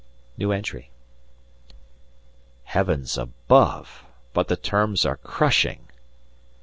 Heavens above! but the terms are crushing!